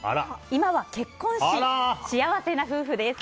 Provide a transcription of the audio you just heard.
今は結婚し、幸せな夫婦です。